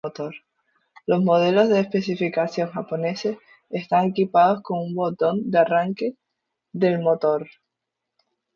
Los modelos de especificación japoneses están equipados con un botón de arranque del motor.